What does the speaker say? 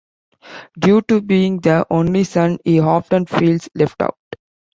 Due to being the only son, he often feels left out.